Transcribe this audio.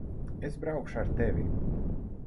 Es braukšu ar tevi.